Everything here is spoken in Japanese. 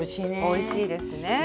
おいしいですね。